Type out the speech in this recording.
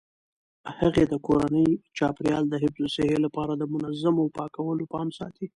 هغې د کورني چاپیریال د حفظ الصحې لپاره د منظمو پاکولو پام ساتي.